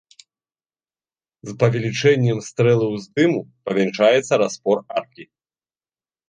З павелічэннем стрэлы ўздыму памяншаецца распор аркі.